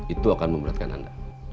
itu akan memberatkan anda